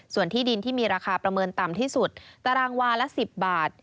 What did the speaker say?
ส่วนที่ดินที่มีราคาประเมินต่ำที่สุดตารางวาละ๑๐บาท